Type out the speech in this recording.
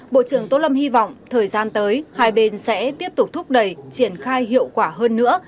bộ trưởng tô lâm hy vọng thời gian tới hai bên sẽ tiếp tục thúc đẩy triển khai hiệu quả hơn nữa